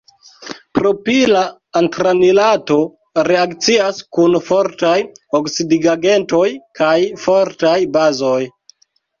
Propila antranilato reakcias kun fortaj oksidigagentoj kaj fortaj bazoj.